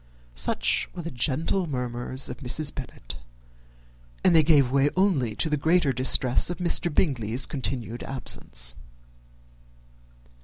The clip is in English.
Such were the gentle murmurs of Mrs. Bennet, and they gave way only to the greater distress of Mr. Bingley's continued absence.